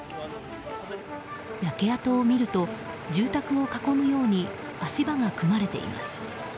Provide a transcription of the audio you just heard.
焼け跡を見ると住宅を囲むように足場が組まれています。